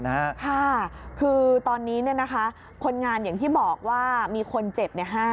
ค่ะคือตอนนี้คนงานอย่างที่บอกว่ามีคนเจ็บ